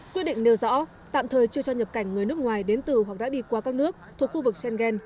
quyết định nêu rõ tạm thời chưa cho nhập cảnh người nước ngoài đến từ hoặc đã đi qua các nước thuộc khu vực schengen